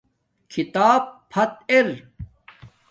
کھیتاپ فت ار